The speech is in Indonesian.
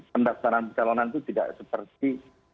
pendaftaran pencalonan itu tidak seperti